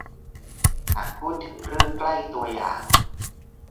หากพูดถึงเรื่องใกล้ตัวอย่าง